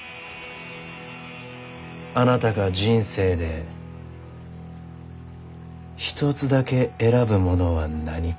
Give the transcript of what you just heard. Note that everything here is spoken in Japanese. あなたが人生で一つだけ選ぶものは何か？